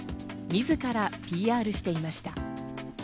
自らＰＲしていました。